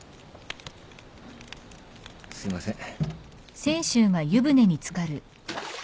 すいません。